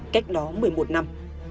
cách đó một mươi một năm